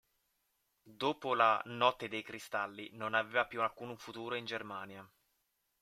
Dopo la "Notte dei cristalli" non aveva più alcun futuro in Germania.